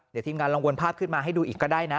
เดี๋ยวทีมงานลองวนภาพขึ้นมาให้ดูอีกก็ได้นะ